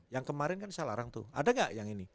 yang kemarin kan saya larang tuh ada nggak yang ini